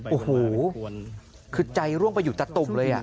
โอ้โหคือใจร่วงไปอยู่จัดตุมเลยอ่ะ